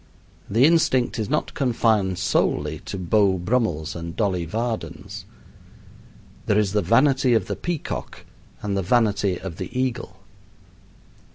The instinct is not confined solely to Beau Brummels and Dolly Vardens. There is the vanity of the peacock and the vanity of the eagle.